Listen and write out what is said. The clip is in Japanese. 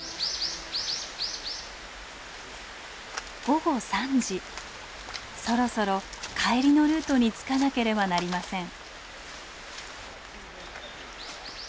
午後３時そろそろ帰りのルートにつかなければなりません。